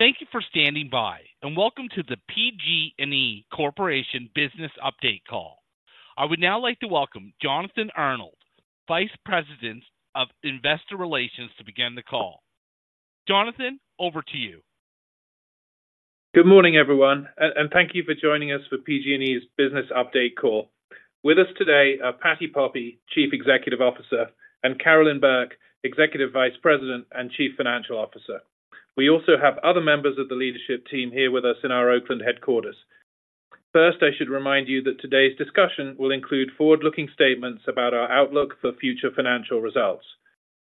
Thank you for standing by, and welcome to the PG&E Corporation Business Update Call. I would now like to welcome Jonathan Arnold, Vice President of Investor Relations, to begin the call. Jonathan, over to you. Good morning, everyone, and thank you for joining us for PG&E's Business Update Call. With us today are Patti Poppe, Chief Executive Officer, and Carolyn Burke, Executive Vice President and Chief Financial Officer. We also have other members of the leadership team here with us in our Oakland headquarters. First, I should remind you that today's discussion will include forward-looking statements about our outlook for future financial results.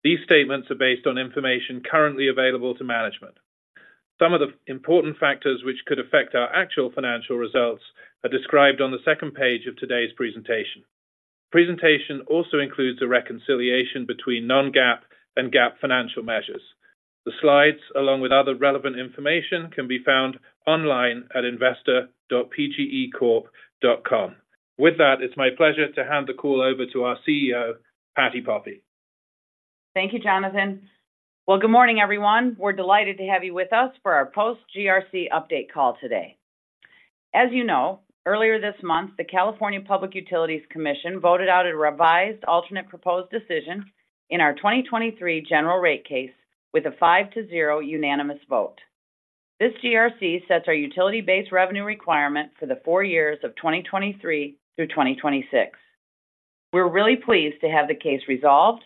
These statements are based on information currently available to management. Some of the important factors which could affect our actual financial results are described on the second page of today's presentation. The presentation also includes a reconciliation between non-GAAP and GAAP financial measures. The slides, along with other relevant information, can be found online at investor.pgecorp.com. With that, it's my pleasure to hand the call over to our CEO, Patti Poppe. Thank you, Jonathan. Well, good morning, everyone. We're delighted to have you with us for our post-GRC update call today. As you know, earlier this month, the California Public Utilities Commission voted out a Revised Alternate Proposed Decision in our 2023 General Rate Case with a 5-0 unanimous vote. This GRC sets our utility-based revenue requirement for the four years of 2023 through 2026. We're really pleased to have the case resolved,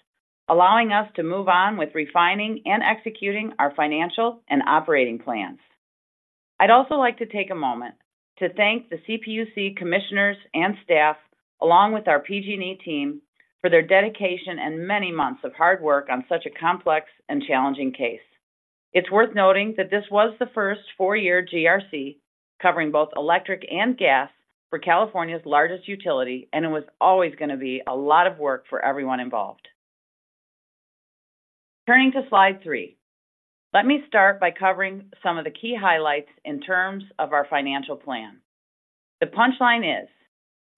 allowing us to move on with refining and executing our financial and operating plans. I'd also like to take a moment to thank the CPUC commissioners and staff, along with our PG&E team, for their dedication and many months of hard work on such a complex and challenging case. It's worth noting that this was the first 4-year GRC covering both electric and gas for California's largest utility, and it was always gonna be a lot of work for everyone involved. Turning to slide 3, let me start by covering some of the key highlights in terms of our financial plan. The punchline is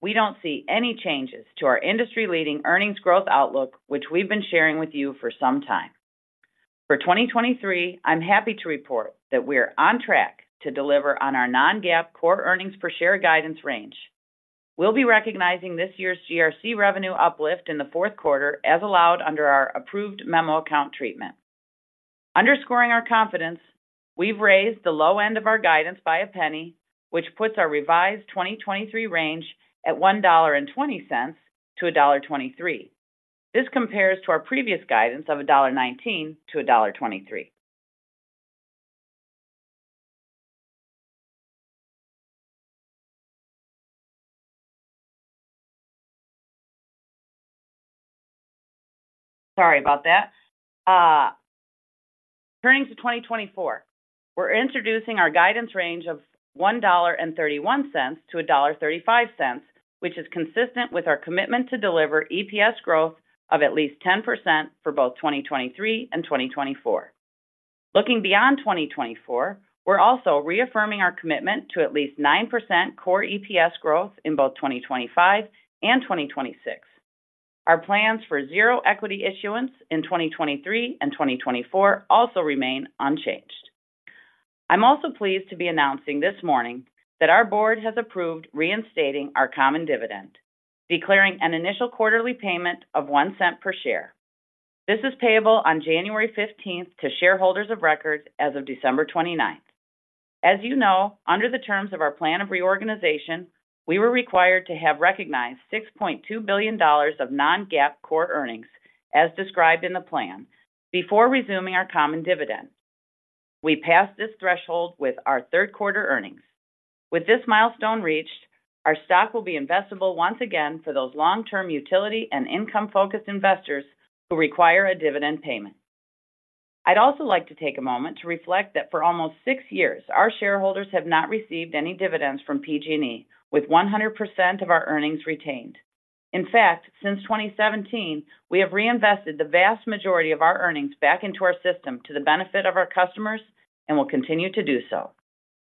we don't see any changes to our industry-leading earnings growth outlook, which we've been sharing with you for some time. For 2023, I'm happy to report that we are on track to deliver on our non-GAAP core earnings per share guidance range. We'll be recognizing this year's GRC revenue uplift in the fourth quarter, as allowed under our approved memo account treatment. Underscoring our confidence, we've raised the low end of our guidance by a penny, which puts our revised 2023 range at $1.20-$1.23. This compares to our previous guidance of $1.19-$1.23. Sorry about that. Turning to 2024, we're introducing our guidance range of $1.31-$1.35, which is consistent with our commitment to deliver EPS growth of at least 10% for both 2023 and 2024. Looking beyond 2024, we're also reaffirming our commitment to at least 9% core EPS growth in both 2025 and 2026. Our plans for zero equity issuance in 2023 and 2024 also remain unchanged. I'm also pleased to be announcing this morning that our board has approved reinstating our common dividend, declaring an initial quarterly payment of $0.01 per share. This is payable on January fifteenth to shareholders of record as of December twenty-ninth. As you know, under the terms of our plan of reorganization, we were required to have recognized $6.2 billion of Non-GAAP Core Earnings, as described in the plan, before resuming our common dividend. We passed this threshold with our third quarter earnings. With this milestone reached, our stock will be investable once again for those long-term utility and income-focused investors who require a dividend payment. I'd also like to take a moment to reflect that for almost six years, our shareholders have not received any dividends from PG&E, with 100% of our earnings retained. In fact, since 2017, we have reinvested the vast majority of our earnings back into our system to the benefit of our customers and will continue to do so.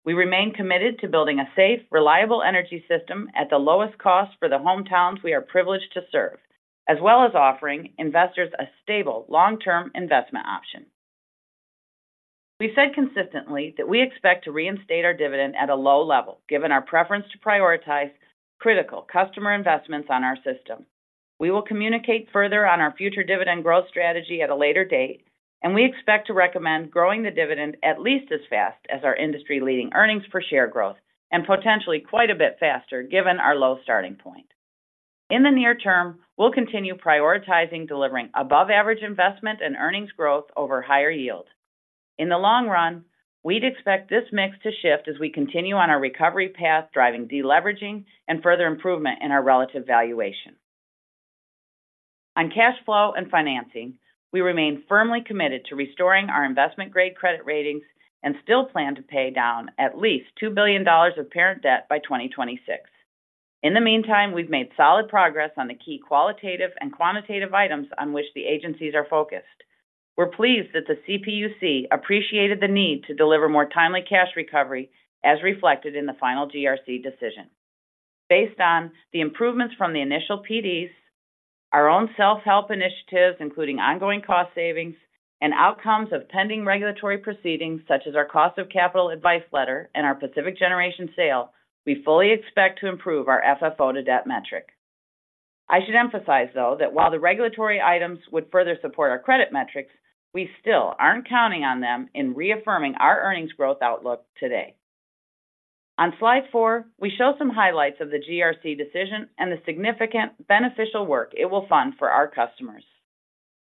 We remain committed to building a safe, reliable energy system at the lowest cost for the hometowns we are privileged to serve, as well as offering investors a stable, long-term investment option. We've said consistently that we expect to reinstate our dividend at a low level, given our preference to prioritize critical customer investments on our system. We will communicate further on our future dividend growth strategy at a later date, and we expect to recommend growing the dividend at least as fast as our industry-leading earnings per share growth, and potentially quite a bit faster given our low starting point. In the near term, we'll continue prioritizing delivering above-average investment and earnings growth over higher yield. In the long run, we'd expect this mix to shift as we continue on our recovery path, driving deleveraging and further improvement in our relative valuation. On cash flow and financing, we remain firmly committed to restoring our investment-grade credit ratings and still plan to pay down at least $2 billion of parent debt by 2026. In the meantime, we've made solid progress on the key qualitative and quantitative items on which the agencies are focused. We're pleased that the CPUC appreciated the need to deliver more timely cash recovery, as reflected in the final GRC decision. Based on the improvements from the initial PDs, our own self-help initiatives, including ongoing cost savings and outcomes of pending regulatory proceedings, such as our cost of capital advice letter and our Pacific Generation sale, we fully expect to improve our FFO to debt metric. I should emphasize, though, that while the regulatory items would further support our credit metrics, we still aren't counting on them in reaffirming our earnings growth outlook today. On slide 4, we show some highlights of the GRC decision and the significant beneficial work it will fund for our customers.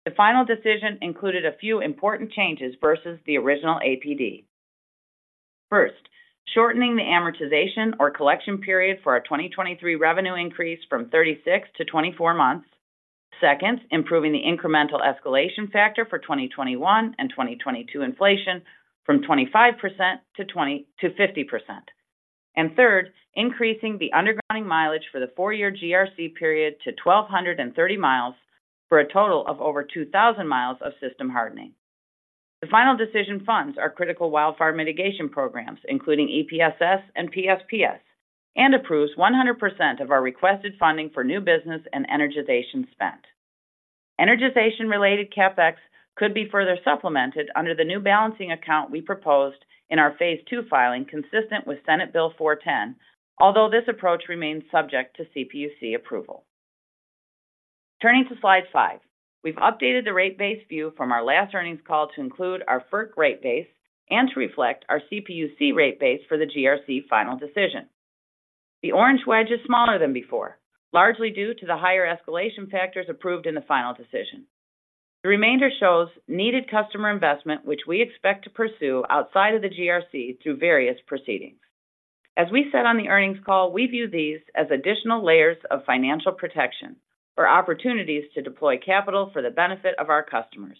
The final decision included a few important changes versus the original APD. First, shortening the amortization or collection period for our 2023 revenue increase from 36 to 24 months. Second, improving the incremental escalation factor for 2021 and 2022 inflation from 25% to 20-50%. And third, increasing the undergrounding mileage for the 4-year GRC period to 1,230 miles, for a total of over 2,000 miles of system hardening. The final decision funds are critical wildfire mitigation programs, including EPSS and PSPS, and approves 100% of our requested funding for new business and energization spend. Energization-related CapEx could be further supplemented under the new balancing account we proposed in our Phase Two filing, consistent with Senate Bill 410, although this approach remains subject to CPUC approval. Turning to slide 5, we've updated the rate base view from our last earnings call to include our FERC rate base and to reflect our CPUC rate base for the GRC final decision. The orange wedge is smaller than before, largely due to the higher escalation factors approved in the final decision. The remainder shows needed customer investment, which we expect to pursue outside of the GRC through various proceedings. As we said on the earnings call, we view these as additional layers of financial protection or opportunities to deploy capital for the benefit of our customers.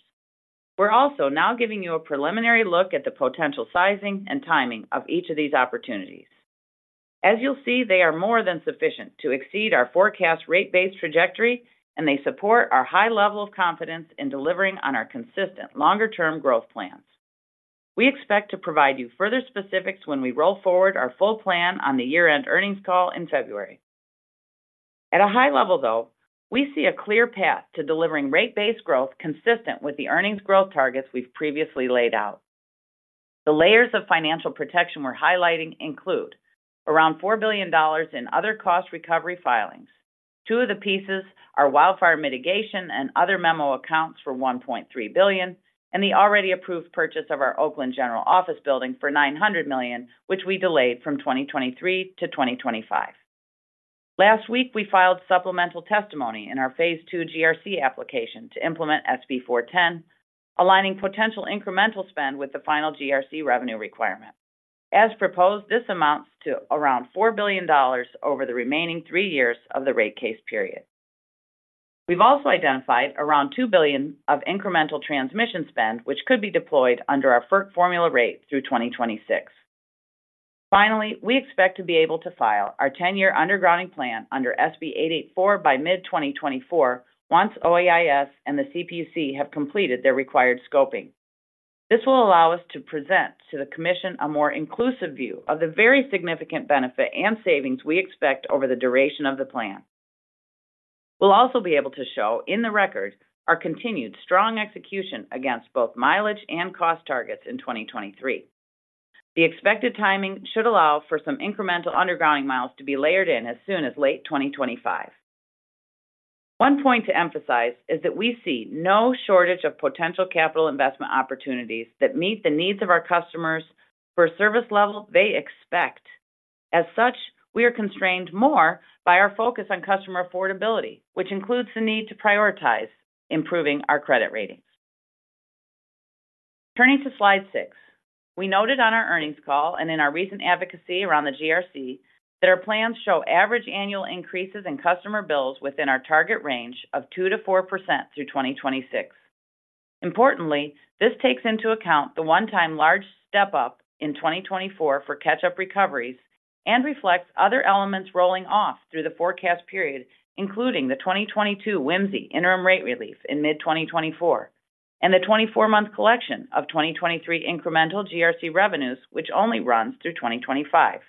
We're also now giving you a preliminary look at the potential sizing and timing of each of these opportunities. As you'll see, they are more than sufficient to exceed our forecast rate base trajectory, and they support our high level of confidence in delivering on our consistent longer-term growth plans. We expect to provide you further specifics when we roll forward our full plan on the year-end earnings call in February. At a high level, though, we see a clear path to delivering rate-based growth consistent with the earnings growth targets we've previously laid out. The layers of financial protection we're highlighting include: around $4 billion in other cost recovery filings. Two of the pieces are wildfire mitigation and other memo accounts for $1.3 billion, and the already approved purchase of our Oakland General Office building for $900 million, which we delayed from 2023 to 2025. Last week, we filed supplemental testimony in our Phase 2 GRC application to implement SB 410, aligning potential incremental spend with the final GRC revenue requirement. As proposed, this amounts to around $4 billion over the remaining three years of the rate case period. We've also identified around $2 billion of incremental transmission spend, which could be deployed under our FERC formula rate through 2026. Finally, we expect to be able to file our 10-year undergrounding plan under SB 884 by mid-2024, once OEIS and the CPUC have completed their required scoping. This will allow us to present to the commission a more inclusive view of the very significant benefit and savings we expect over the duration of the plan. We'll also be able to show in the record our continued strong execution against both mileage and cost targets in 2023. The expected timing should allow for some incremental undergrounding miles to be layered in as soon as late 2025. One point to emphasize is that we see no shortage of potential capital investment opportunities that meet the needs of our customers for a service level they expect. As such, we are constrained more by our focus on customer affordability, which includes the need to prioritize improving our credit rating. Turning to Slide 6, we noted on our earnings call and in our recent advocacy around the GRC, that our plans show average annual increases in customer bills within our target range of 2%-4% through 2026. Importantly, this takes into account the one-time large step up in 2024 for catch-up recoveries and reflects other elements rolling off through the forecast period, including the 2022 WMCE interim rate relief in mid-2024, and the 24-month collection of 2023 incremental GRC revenues, which only runs through 2025.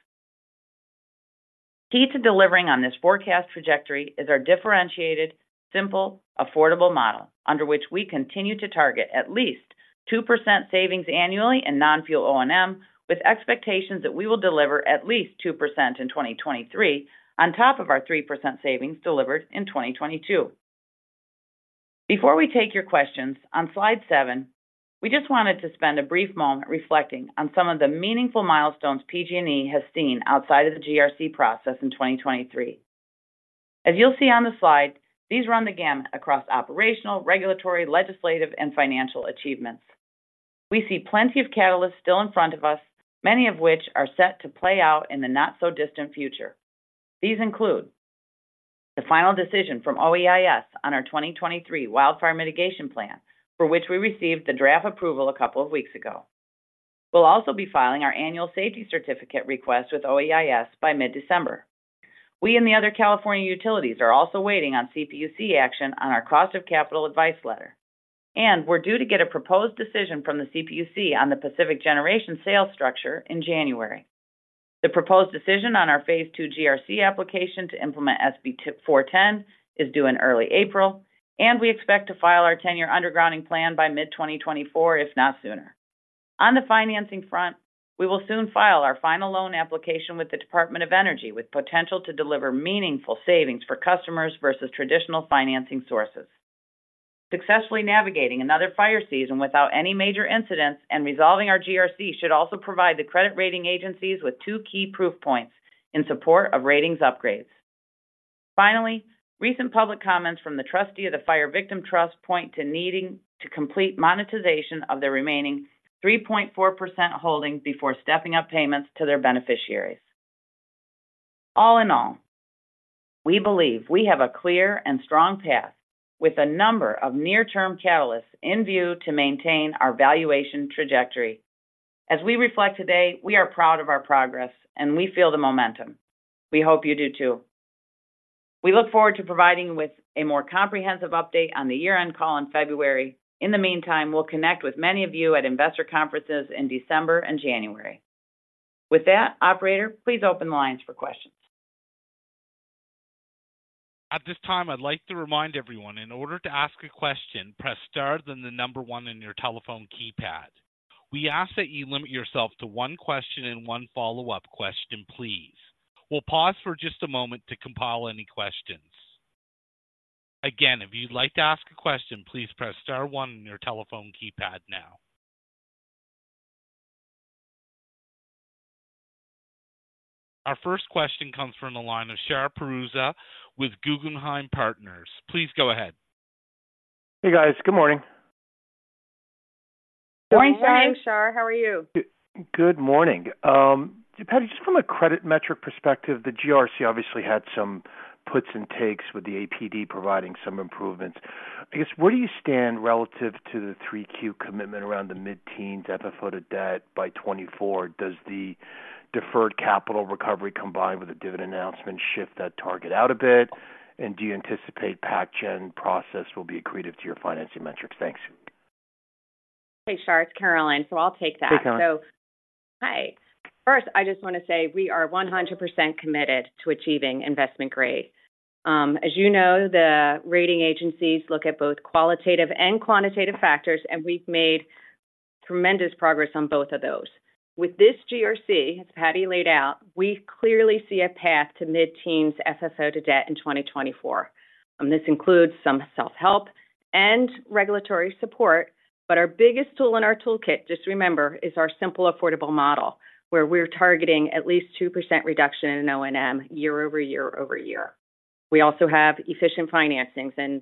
Key to delivering on this forecast trajectory is our differentiated, simple, affordable model, under which we continue to target at least 2% savings annually in non-fuel O&M, with expectations that we will deliver at least 2% in 2023 on top of our 3% savings delivered in 2022. Before we take your questions, on slide 7, we just wanted to spend a brief moment reflecting on some of the meaningful milestones PG&E has seen outside of the GRC process in 2023. As you'll see on the slide, these run the gamut across operational, regulatory, legislative, and financial achievements. We see plenty of catalysts still in front of us, many of which are set to play out in the not-so-distant future. These include the final decision from OEIS on our 2023 Wildfire Mitigation Plan, for which we received the draft approval a couple of weeks ago. We'll also be filing our annual safety certificate request with OEIS by mid-December. We and the other California utilities are also waiting on CPUC action on our cost of capital advice letter... and we're due to get a proposed decision from the CPUC on the Pacific Generation sales structure in January. The proposed decision on our Phase 2 GRC application to implement SB 410 is due in early April, and we expect to file our 10-year undergrounding plan by mid-2024, if not sooner. On the financing front, we will soon file our final loan application with the Department of Energy, with potential to deliver meaningful savings for customers versus traditional financing sources. Successfully navigating another fire season without any major incidents and resolving our GRC should also provide the credit rating agencies with two key proof points in support of ratings upgrades. Finally, recent public comments from the trustee of the Fire Victim Trust point to needing to complete monetization of the remaining 3.4% holding before stepping up payments to their beneficiaries. All in all, we believe we have a clear and strong path, with a number of near-term catalysts in view to maintain our valuation trajectory. As we reflect today, we are proud of our progress, and we feel the momentum. We hope you do, too. We look forward to providing you with a more comprehensive update on the year-end call in February. In the meantime, we'll connect with many of you at investor conferences in December and January. With that, operator, please open the lines for questions. At this time, I'd like to remind everyone, in order to ask a question, press star, then the number one on your telephone keypad. We ask that you limit yourself to one question and one follow-up question, please. We'll pause for just a moment to compile any questions. Again, if you'd like to ask a question, please press star one on your telephone keypad now. Our first question comes from the line of Shar Pourreza with Guggenheim Partners. Please go ahead. Hey, guys. Good morning. Good morning, Shar. Good morning, Shar. How are you? Good morning. Patti, just from a credit metric perspective, the GRC obviously had some puts and takes, with the APD providing some improvements. I guess, where do you stand relative to the Q3 commitment around the mid-teens FFO to debt by 2024? Does the deferred capital recovery, combined with the dividend announcement, shift that target out a bit? And do you anticipate PacGen process will be accretive to your financing metrics? Thanks. Hey, Shar, it's Carolyn. So I'll take that. Hey, Caroline. So, hi. First, I just want to say we are 100% committed to achieving investment grade. As you know, the rating agencies look at both qualitative and quantitative factors, and we've made tremendous progress on both of those. With this GRC, as Patty laid out, we clearly see a path to mid-teens FFO to debt in 2024. This includes some self-help and regulatory support, but our biggest tool in our toolkit, just remember, is our simple, affordable model, where we're targeting at least 2% reduction in O&M year over year over year. We also have efficient financings, and,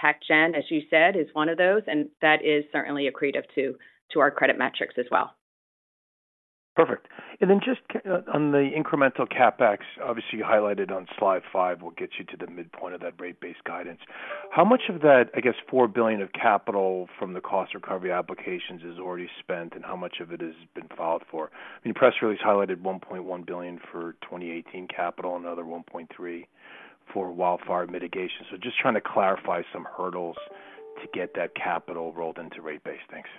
PacGen, as you said, is one of those, and that is certainly accretive to, to our credit metrics as well. Perfect. And then just on the incremental CapEx, obviously, you highlighted on slide five, will get you to the midpoint of that rate base guidance. How much of that, I guess, $4 billion of capital from the cost recovery applications is already spent, and how much of it has been filed for? The press release highlighted $1.1 billion for 2018 capital, another $1.3 billion for wildfire mitigation. So just trying to clarify some hurdles to get that capital rolled into rate base. Thanks.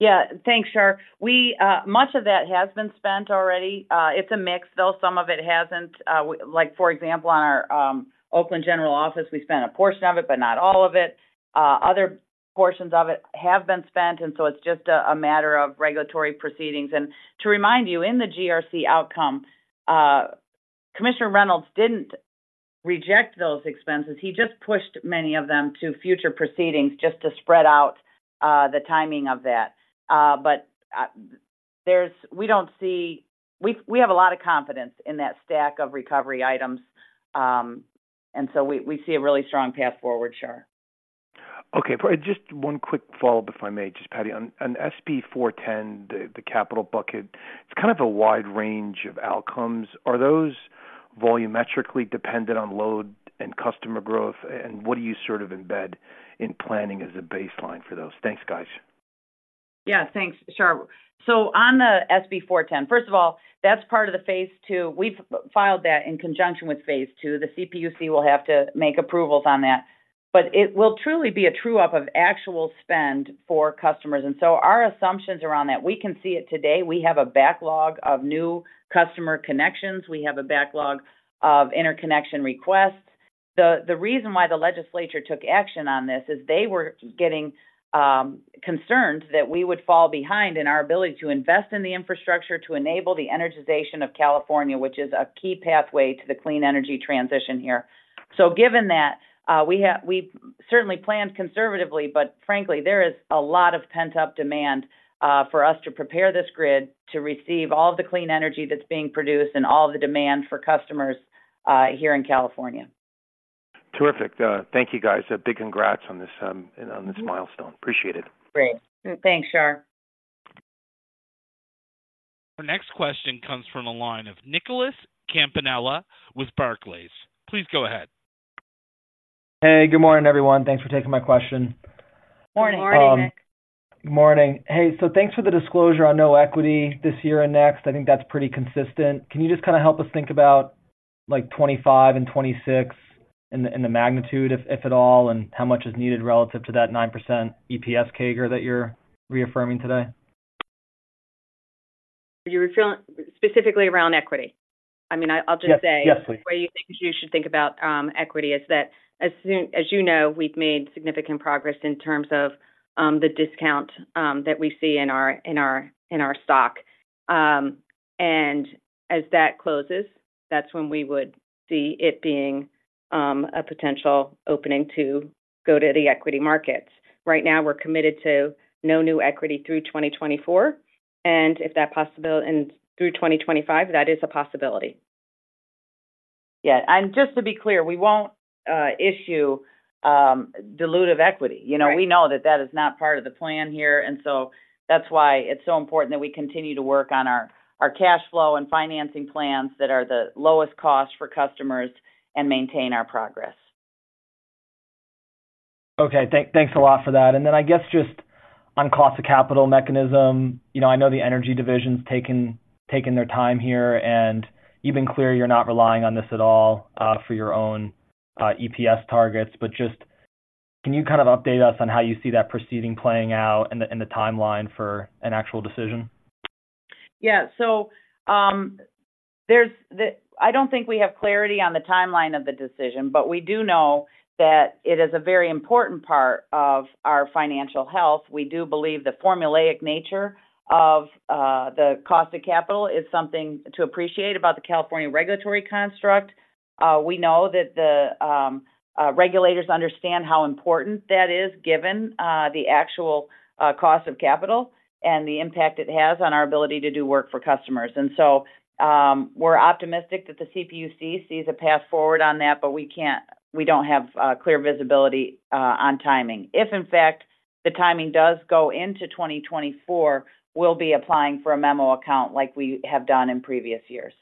Yeah. Thanks, Shar. Much of that has been spent already. It's a mix, though. Some of it hasn't. Like, for example, on our Oakland General Office, we spent a portion of it, but not all of it. Other portions of it have been spent, and so it's just a matter of regulatory proceedings. And to remind you, in the GRC outcome, Commissioner Reynolds didn't reject those expenses. He just pushed many of them to future proceedings, just to spread out the timing of that. But we have a lot of confidence in that stack of recovery items. And so we see a really strong path forward, Shar. Okay, just one quick follow-up, if I may, just Patti, on SB 410, the capital bucket, it's kind of a wide range of outcomes. Are those volumetrically dependent on load and customer growth, and what do you sort of embed in planning as a baseline for those? Thanks, guys. Yeah, thanks, Shar. So on the SB 410, first of all, that's part of the phase two. We've filed that in conjunction with phase two. The CPUC will have to make approvals on that, but it will truly be a true-up of actual spend for customers, and so our assumptions around that, we can see it today. We have a backlog of new customer connections. We have a backlog of interconnection requests. The reason why the legislature took action on this is they were getting concerns that we would fall behind in our ability to invest in the infrastructure to enable the energization of California, which is a key pathway to the clean energy transition here. So given that, we've certainly planned conservatively, but frankly, there is a lot of pent-up demand for us to prepare this grid to receive all the clean energy that's being produced and all the demand for customers here in California. Terrific. Thank you, guys. A big congrats on this, on this milestone. Mm-hmm. Appreciate it. Great. Thanks, Shar. Our next question comes from the line of Nicholas Campanella with Barclays. Please go ahead. Hey, good morning, everyone. Thanks for taking my question. Morning. Morning, Nick.... Good morning. Hey, so thanks for the disclosure on no equity this year and next. I think that's pretty consistent. Can you just kind of help us think about, like, 2025 and 2026 and the, and the magnitude, if, if at all, and how much is needed relative to that 9% EPS CAGR that you're reaffirming today? You're referring specifically around equity? I mean, I, I'll just say- Yes, please. The way you think you should think about equity is that as you know, we've made significant progress in terms of the discount that we see in our stock. And as that closes, that's when we would see it being a potential opening to go to the equity markets. Right now, we're committed to no new equity through 2024, and through 2025, that is a possibility. Yeah, and just to be clear, we won't issue dilutive equity. Right. You know, we know that that is not part of the plan here, and so that's why it's so important that we continue to work on our, our cash flow and financing plans that are the lowest cost for customers and maintain our progress. Okay. Thanks a lot for that. And then I guess just on cost of capital mechanism, you know, I know the energy division's taking their time here, and you've been clear you're not relying on this at all for your own EPS targets. But just can you kind of update us on how you see that proceeding playing out and the timeline for an actual decision? Yeah. So, I don't think we have clarity on the timeline of the decision, but we do know that it is a very important part of our financial health. We do believe the formulaic nature of the cost of capital is something to appreciate about the California regulatory construct. We know that the regulators understand how important that is, given the actual cost of capital and the impact it has on our ability to do work for customers. And so, we're optimistic that the CPUC sees a path forward on that, but we can't - we don't have clear visibility on timing. If in fact, the timing does go into 2024, we'll be applying for a memo account like we have done in previous years.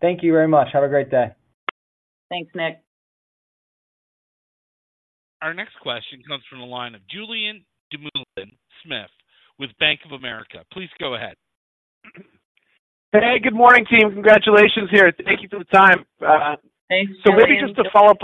Thank you very much. Have a great day. Thanks, Nick. Our next question comes from the line of Julian Dumoulin-Smith with Bank of America. Please go ahead. Hey, good morning, team. Congratulations here. Thank you for the time. Thanks, Julian. So maybe just to follow up.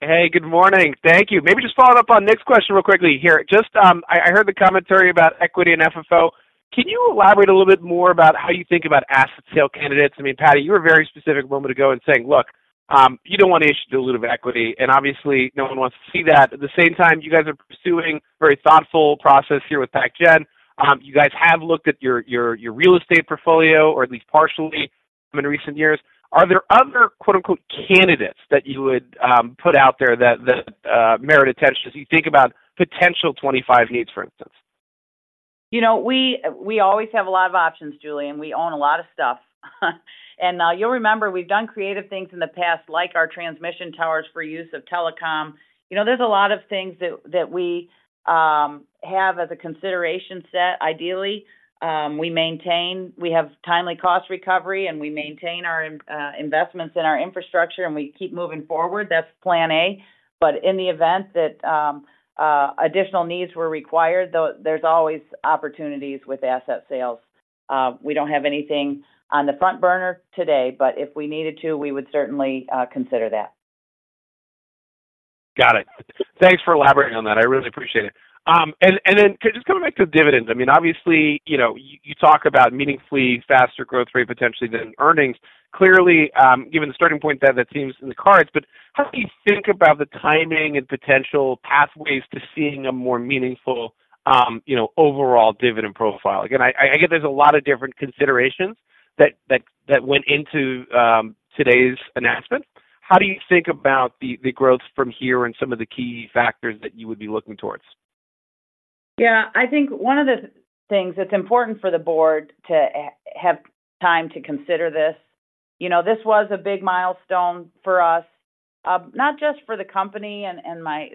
Hey, good morning. Thank you. Maybe just following up on Nick's question real quickly here. Just, I heard the commentary about equity and FFO. Can you elaborate a little bit more about how you think about asset sale candidates? I mean, Patti, you were very specific a moment ago in saying, "Look, you don't want to issue dilutive equity," and obviously, no one wants to see that. At the same time, you guys are pursuing very thoughtful process here with PacGen. You guys have looked at your real estate portfolio, or at least partially in recent years. Are there other, quote, unquote, "candidates" that you would put out there that merit attention as you think about potential 2025 needs, for instance? You know, we always have a lot of options, Julian. We own a lot of stuff. And you'll remember, we've done creative things in the past, like our transmission towers for use of telecom. You know, there's a lot of things that we have as a consideration set ideally. We maintain, we have timely cost recovery, and we maintain our investments in our infrastructure, and we keep moving forward. That's plan A, but in the event that additional needs were required, though, there's always opportunities with asset sales. We don't have anything on the front burner today, but if we needed to, we would certainly consider that. Got it. Thanks for elaborating on that. I really appreciate it. And then just coming back to dividends, I mean, obviously, you know, you talk about meaningfully faster growth rate potentially than earnings. Clearly, given the starting point, that seems in the cards, but how do you think about the timing and potential pathways to seeing a more meaningful, you know, overall dividend profile? Again, I think there's a lot of different considerations that went into today's announcement. How do you think about the growth from here and some of the key factors that you would be looking towards? Yeah, I think one of the things that's important for the board to have time to consider this, you know, this was a big milestone for us, not just for the company and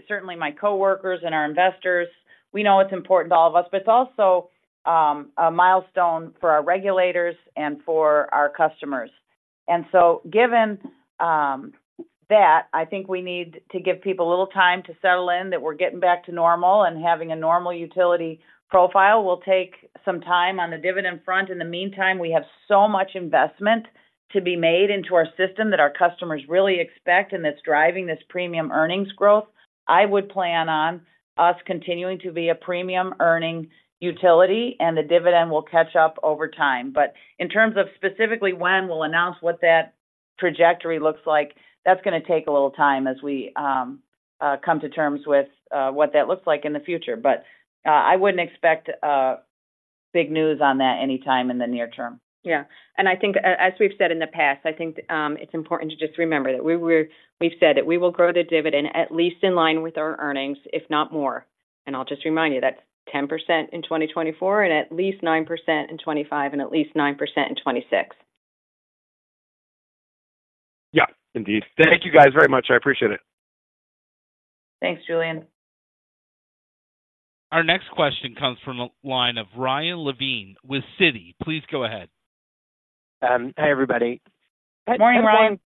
certainly my coworkers and our investors. We know it's important to all of us, but it's also a milestone for our regulators and for our customers. And so, given that, I think we need to give people a little time to settle in, that we're getting back to normal and having a normal utility profile will take some time on the dividend front. In the meantime, we have so much investment to be made into our system that our customers really expect, and that's driving this premium earnings growth. I would plan on us continuing to be a premium-earning utility, and the dividend will catch up over time. But in terms of specifically when we'll announce what that trajectory looks like, that's going to take a little time as we come to terms with what that looks like in the future. But I wouldn't expect big news on that anytime in the near term. Yeah. And I think, as we've said in the past, I think, it's important to just remember that we, we're-- we've said that we will grow the dividend at least in line with our earnings, if not more. And I'll just remind you, that's 10% in 2024, and at least 9% in 2025, and at least 9% in 2026. Yeah, indeed. Thank you guys very much. I appreciate it. Thanks, Julian. Our next question comes from the line of Ryan Levine with Citi. Please go ahead.... Hi, everybody. Good morning, Ryan.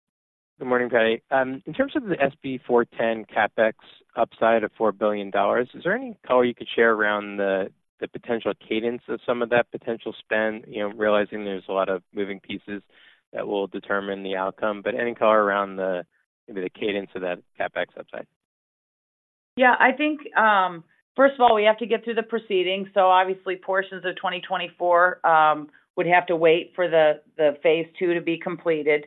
Good morning, Patti. In terms of the SB 410 CapEx upside of $4 billion, is there any color you could share around the potential cadence of some of that potential spend? You know, realizing there's a lot of moving pieces that will determine the outcome, but any color around, maybe the cadence of that CapEx upside? Yeah, I think, first of all, we have to get through the proceedings. So obviously portions of 2024 would have to wait for the, the phase two to be completed.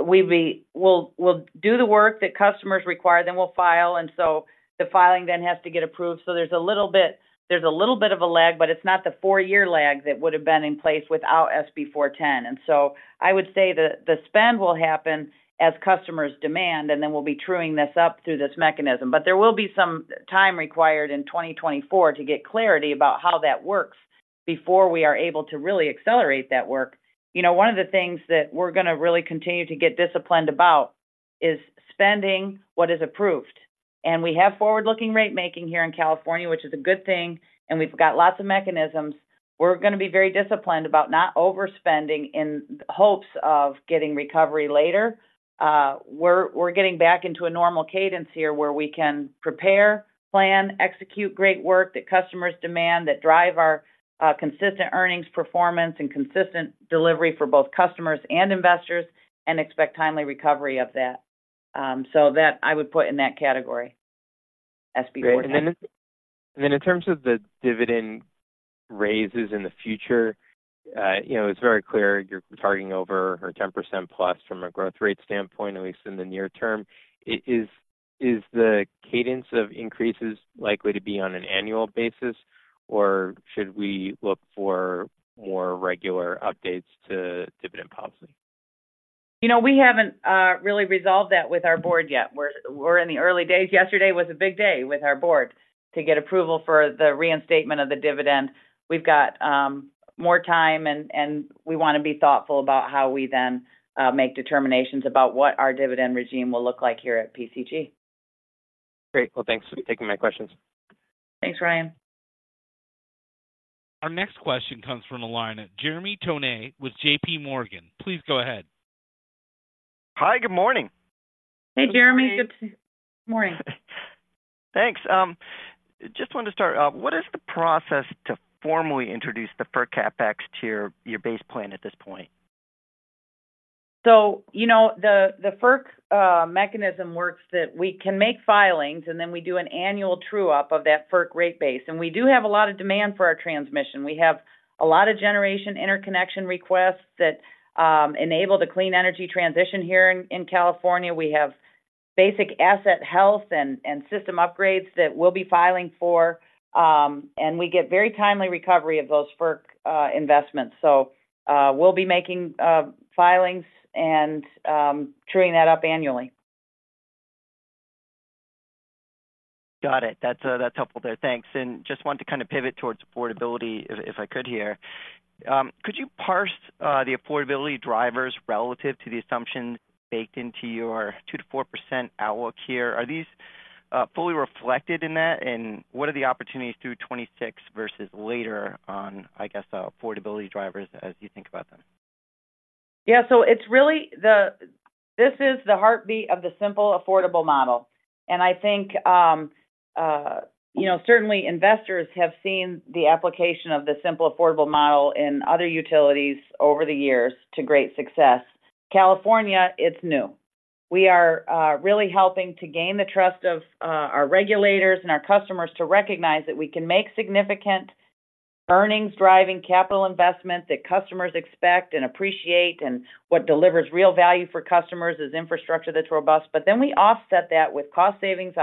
We'll do the work that customers require, then we'll file, and so the filing then has to get approved. So there's a little bit, there's a little bit of a lag, but it's not the four-year lag that would have been in place without SB 410. And so I would say the, the spend will happen as customers demand, and then we'll be truing this up through this mechanism. But there will be some time required in 2024 to get clarity about how that works before we are able to really accelerate that work. You know, one of the things that we're going to really continue to get disciplined about is spending what is approved. We have forward-looking rate making here in California, which is a good thing, and we've got lots of mechanisms. We're going to be very disciplined about not overspending in the hopes of getting recovery later. We're getting back into a normal cadence here where we can prepare, plan, execute great work that customers demand, that drive our consistent earnings performance and consistent delivery for both customers and investors, and expect timely recovery of that. So that I would put in that category, SB 410. Great. And then in terms of the dividend raises in the future, you know, it's very clear you're targeting over or 10%+ from a growth rate standpoint, at least in the near term. Is the cadence of increases likely to be on an annual basis, or should we look for more regular updates to dividend policy? You know, we haven't really resolved that with our board yet. We're, we're in the early days. Yesterday was a big day with our board to get approval for the reinstatement of the dividend. We've got more time, and, and we want to be thoughtful about how we then make determinations about what our dividend regime will look like here at PCG. Great. Well, thanks for taking my questions. Thanks, Ryan. Our next question comes from the line of Jeremy Tonet with JP Morgan. Please go ahead. Hi, good morning. Hey, Jeremy. Good morning. Thanks. Just wanted to start off, what is the process to formally introduce the FERC CapEx to your base plan at this point? So, you know, the FERC mechanism works that we can make filings, and then we do an annual true-up of that FERC rate base. And we do have a lot of demand for our transmission. We have a lot of generation interconnection requests that enable the clean energy transition here in California. We have basic asset health and system upgrades that we'll be filing for, and we get very timely recovery of those FERC investments. So, we'll be making filings and truing that up annually. Got it. That's, that's helpful there. Thanks. And just wanted to kind of pivot towards affordability, if I could here. Could you parse the affordability drivers relative to the assumptions baked into your 2%-4% outlook here? Are these fully reflected in that? And what are the opportunities through 2026 versus later on, I guess, the affordability drivers as you think about them? Yeah, so it's really the... This is the heartbeat of the simple, affordable model. I think, you know, certainly investors have seen the application of the simple, affordable model in other utilities over the years to great success. California, it's new. We are really helping to gain the trust of our regulators and our customers to recognize that we can make significant earnings, driving capital investment that customers expect and appreciate. What delivers real value for customers is infrastructure that's robust. But then we offset that with cost savings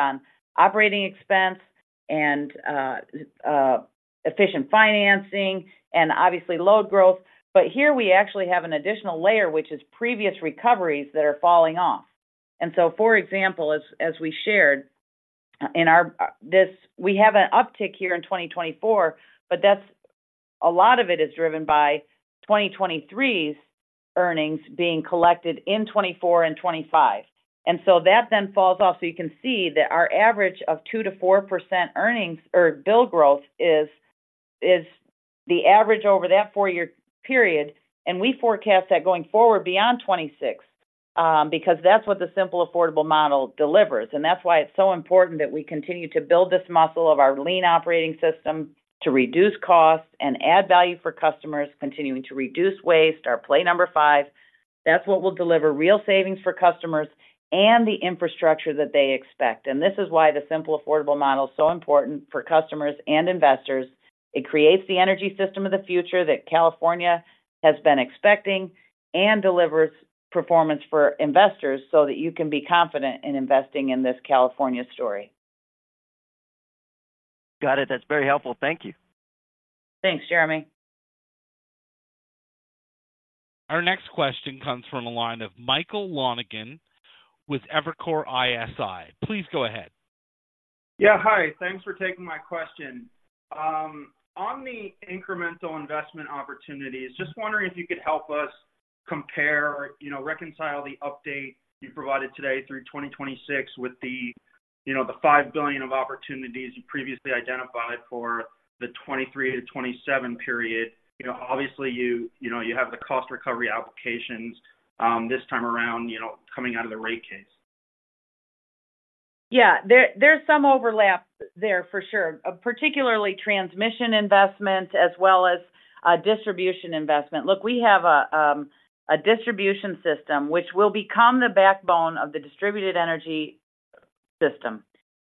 on operating expense and efficient financing and obviously load growth. But here we actually have an additional layer, which is previous recoveries that are falling off. For example, as we shared in our this, we have an uptick here in 2024, but that's a lot of it is driven by 2023's earnings being collected in 2024 and 2025, and so that then falls off. So you can see that our average of 2%-4% earnings or bill growth is the average over that four-year period, and we forecast that going forward beyond 2026, because that's what the simple affordable model delivers. That's why it's so important that we continue to build this muscle of our lean operating system to reduce costs and add value for customers, continuing to reduce waste, our play number 5. That's what will deliver real savings for customers and the infrastructure that they expect. This is why the simple, affordable model is so important for customers and investors. It creates the energy system of the future that California has been expecting and delivers performance for investors so that you can be confident in investing in this California story. Got it. That's very helpful. Thank you. Thanks, Jeremy. Our next question comes from a line of Michael Lonegan with Evercore ISI. Please go ahead. Yeah, hi. Thanks for taking my question. On the incremental investment opportunities, just wondering if you could help us compare, you know, reconcile the update you provided today through 2026 with the, you know, the $5 billion of opportunities you previously identified for the 2023-2027 period. You know, obviously, you, you know, you have the cost recovery applications, this time around, you know, coming out of the rate case. Yeah. There's some overlap there for sure, particularly transmission investment as well as distribution investment. Look, we have a distribution system which will become the backbone of the distributed energy system,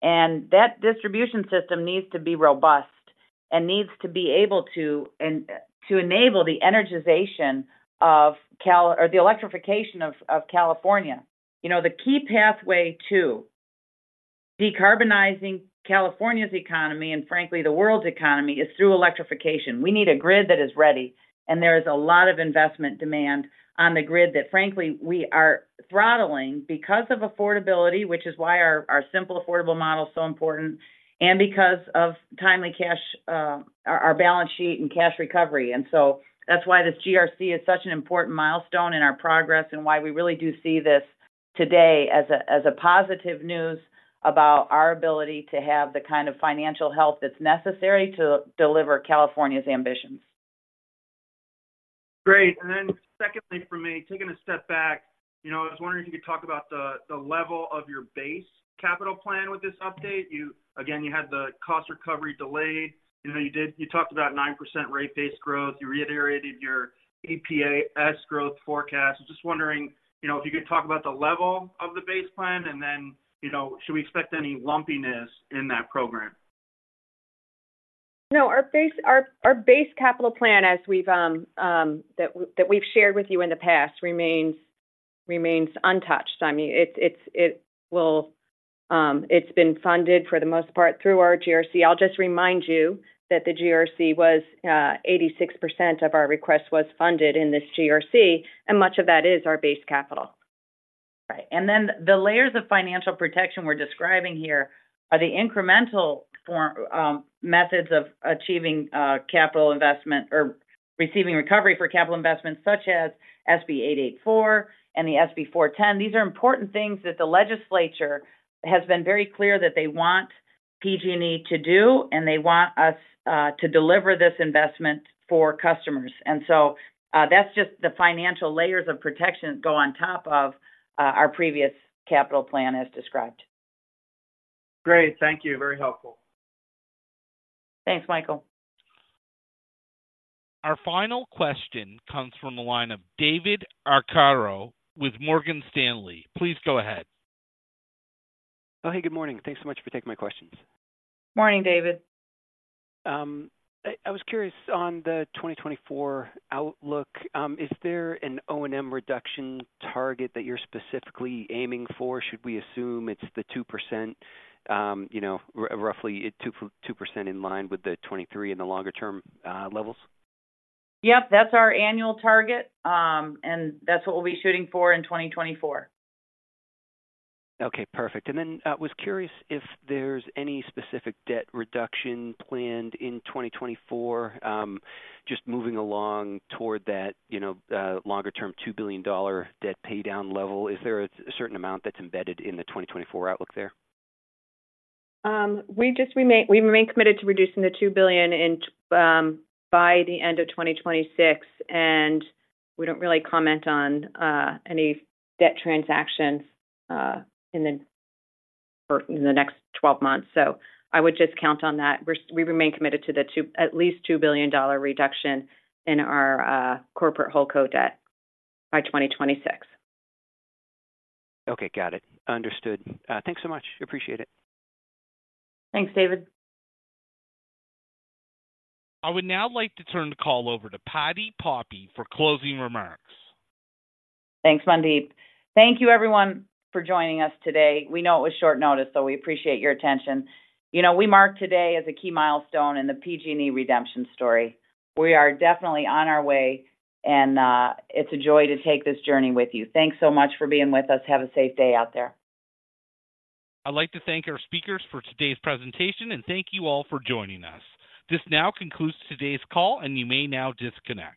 and that distribution system needs to be robust and needs to be able to enable the energization of California or the electrification of California. You know, the key pathway to decarbonizing California's economy, and frankly, the world's economy, is through electrification. We need a grid that is ready, and there is a lot of investment demand on the grid that, frankly, we are throttling because of affordability, which is why our simple, affordable model is so important and because of timely cash, our balance sheet and cash recovery. And so that's why this GRC is such an important milestone in our progress and why we really do see this today as a positive news about our ability to have the kind of financial health that's necessary to deliver California's ambitions. Great. And then secondly, for me, taking a step back, you know, I was wondering if you could talk about the, the level of your base capital plan with this update. You, again, you had the cost recovery delayed. You know, you did, you talked about 9% rate base growth. You reiterated your EPS growth forecast. I'm just wondering, you know, if you could talk about the level of the base plan and then, you know, should we expect any lumpiness in that program? No, our base capital plan, as we've shared with you in the past, remains untouched. I mean, it's been funded, for the most part, through our GRC. I'll just remind you that the GRC was 86% of our request was funded in this GRC, and much of that is our base capital. Right, and then the layers of financial protection we're describing here are the incremental form methods of achieving capital investment or receiving recovery for capital investments such as SB 884 and the SB 410. These are important things that the legislature has been very clear that they want PG&E to do, and they want us to deliver this investment for customers. And so, that's just the financial layers of protection that go on top of our previous capital plan as described. Great. Thank you. Very helpful. Thanks, Michael. Our final question comes from the line of David Arcaro with Morgan Stanley. Please go ahead. Oh, hey, good morning. Thanks so much for taking my questions. Morning, David. I was curious, on the 2024 outlook, is there an O&M reduction target that you're specifically aiming for? Should we assume it's the 2%, you know, roughly 2% in line with the 2023 in the longer-term levels? Yep, that's our annual target, and that's what we'll be shooting for in 2024. Okay, perfect. I was curious if there's any specific debt reduction planned in 2024, just moving along toward that, you know, longer-term $2 billion debt paydown level. Is there a certain amount that's embedded in the 2024 outlook there? We just remain, we remain committed to reducing the $2 billion in by the end of 2026, and we don't really comment on any debt transactions in the next 12 months. So I would just count on that. We remain committed to the two, at least $2 billion dollar reduction in our corporate holdco debt by 2026. Okay, got it. Understood. Thanks so much. Appreciate it. Thanks, David. I would now like to turn the call over to Patti Poppe for closing remarks. Thanks, Mandeep. Thank you, everyone, for joining us today. We know it was short notice, so we appreciate your attention. You know, we mark today as a key milestone in the PG&E redemption story. We are definitely on our way, and it's a joy to take this journey with you. Thanks so much for being with us. Have a safe day out there. I'd like to thank our speakers for today's presentation, and thank you all for joining us. This now concludes today's call, and you may now disconnect.